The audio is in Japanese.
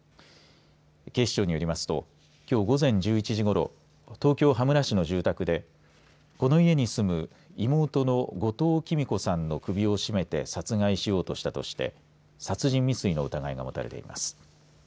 警視庁によりますときょう午前１１時ごろ東京、羽村市の住宅でこの家に住む妹の後藤喜美子さんの首を絞めて殺害しようとしたとして殺人未遂の疑いが持たれています。